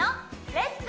「レッツ！